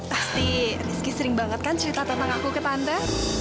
pasti rizky sering banget kan cerita tentang aku ke pantai